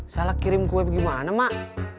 salah kirim kue gimana mak